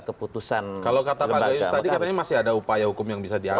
kalau kata pak gayus tadi katanya masih ada upaya hukum yang bisa diambil